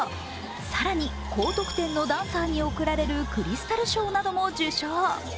更に、高得点のダンサーに贈られるクリスタル賞なども受賞。